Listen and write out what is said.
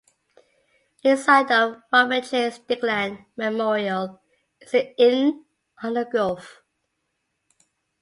Inside of Robert J. Stickland Memorial is the Inn on the Gulf.